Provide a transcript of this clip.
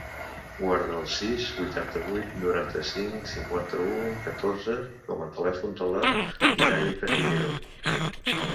Guarda el sis, vuitanta-vuit, noranta-cinc, cinquanta-u, catorze com a telèfon de la Hidaya Perdiguero.